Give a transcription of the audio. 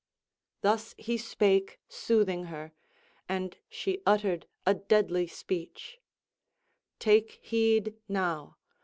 Thus he spake soothing her; and she uttered a deadly speech: "Take heed now.